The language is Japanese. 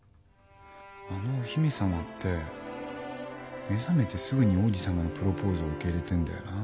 あのお姫さまって目覚めてすぐに王子さまのプロポーズを受け入れてんだよな。